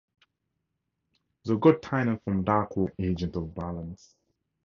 The god Tynan from Darkworld was also an agent of balance.